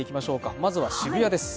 まずは渋谷です。